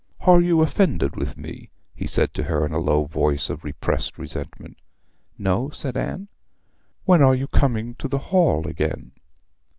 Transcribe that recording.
'Are you offended with me?' he said to her in a low voice of repressed resentment. 'No,' said Anne. 'When are you coming to the hall again?'